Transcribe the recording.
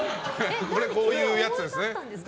こういうやつですね。